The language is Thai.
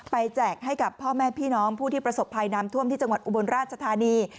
แจกให้กับพ่อแม่พี่น้องผู้ที่ประสบภัยน้ำท่วมที่จังหวัดอุบลราชธานี